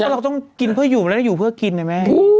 เราก็ต้องกินเพื่ออยู่มันแล้วได้อยู่เพื่อกินนะแม่